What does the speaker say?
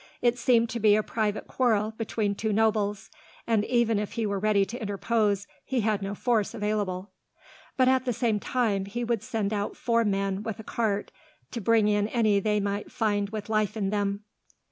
It seemed to be a private quarrel between two nobles, and, even if he were ready to interpose, he had no force available; "but at the same time, he would send out four men, with a cart, to bring in any they might find with life in them."